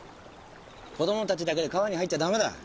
子どもたちだけで川に入っちゃダメだ！